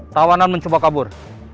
tawanan mencoba kabur